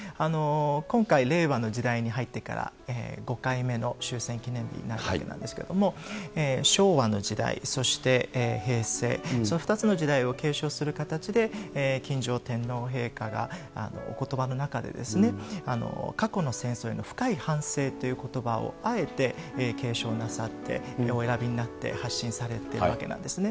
今回、令和の時代に入ってから、５回目の終戦記念日になったわけなんですけれども、昭和の時代、そして平成、その２つの時代を継承する形で、今上天皇陛下がおことばの中で、過去の戦争への深い反省ということばをあえて継承なさって、お選びになって、発信されているわけなんですね。